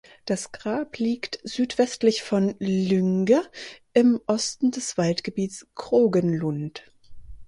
Das Grab liegt südwestlich von Lynge im Osten des Waldgebiets Krogenlund.